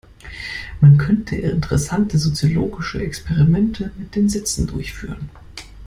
Man könnte interessante soziologische Experimente mit den Sätzen durchführen.